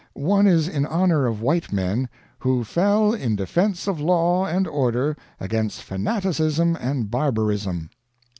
One is in honor of white men "who fell in defence of law and order against fanaticism and barbarism."